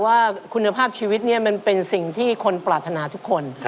ว่าคุณภาพชีวิตนี้มันเป็นสิ่งที่คนปรารถนาทุกคน